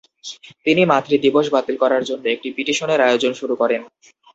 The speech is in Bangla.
তিনি মাতৃ দিবস বাতিল করার জন্য একটি পিটিশনের আয়োজন শুরু করেন।